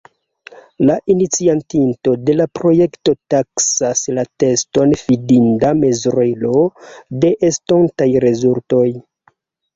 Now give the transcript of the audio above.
La iniciatinto de la projekto taksas la teston fidinda mezurilo de estontaj rezultoj.